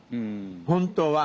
本当は。